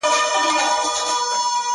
چيلمه ويل وران ښه دی! برابر نه دی په کار!